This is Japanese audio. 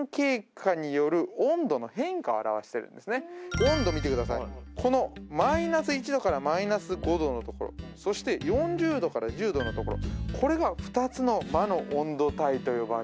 温度見てくださいこのマイナス１度からマイナス５度のところそして４０度から１０度のところこれが２つの魔の温度帯と呼ばれる温度帯になります